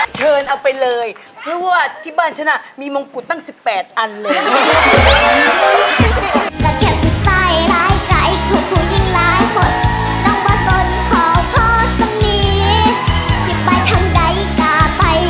เชิญเอาไปเลยเพราะว่าที่บ้านฉันมีมงกุฎตั้ง๑๘อันเลย